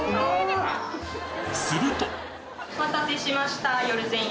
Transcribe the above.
するとお待たせしました。